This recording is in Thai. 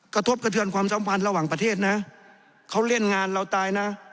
กระทบกระเทือนความสัมพันธ์ระหว่างประเทศนะเขาเล่นงานเราตายนะ